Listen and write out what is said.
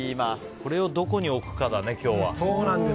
これをどこに置くかだね今日は。